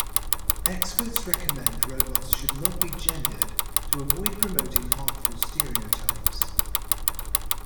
Experts recommend robots should not be gendered to avoid promoting harmful stereotypes..